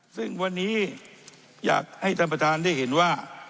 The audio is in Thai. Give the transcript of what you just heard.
ซึ่งวันนี้อยากให้ท่านประธานได้เห็นว่า